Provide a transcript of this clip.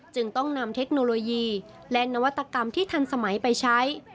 จึงต้องนำเทคโนโลยีและนวัตกรรมที่ทันสมัยไปใช้